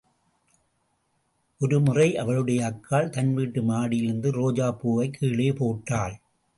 ஒருமுறை அவளுடைய அக்காள் தன்வீட்டு மாடியிலிருந்து ரோஜாப் பூவைக் கீழே போட்டாள்.